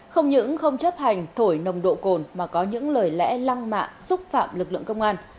không những không chấp hành thổi nồng độ cồn mà có những lời lẽ lăng mạ xúc phạm lực lượng công an